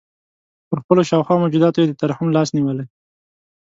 پر خپلو شاوخوا موجوداتو یې د ترحم لاس نیولی.